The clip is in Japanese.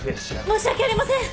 申し訳ありません！